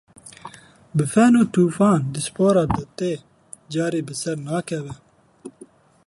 Bi fen û fûtan dîaspora dê ti carî bi ser nekeve.